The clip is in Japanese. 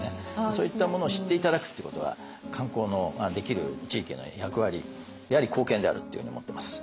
そういったものを知って頂くっていうことは観光のできる地域の役割であり貢献であるっていうふうに思ってます。